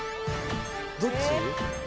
どっち？